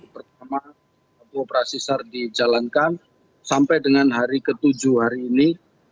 pertama operasi sar dijalankan sampai dengan hari ke tujuh hari ini